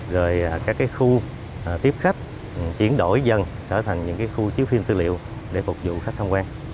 rồi các khu tiếp khách chuyển đổi dần trở thành những khu chiếu phim tư liệu để phục vụ khách tham quan